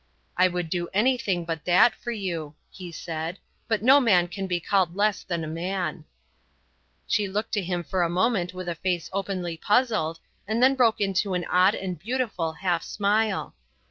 "I would do anything but that for you," he said; "but no man can be called less than a man." She looked at him for a moment with a face openly puzzled, and then broke into an odd and beautiful half smile.